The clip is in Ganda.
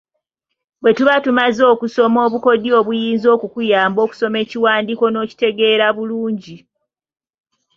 Bwe tuba tumaze okusoma obukodyo obuyinza okukuyamba okusoma ekiwandiiko n’okitegeera bulungi.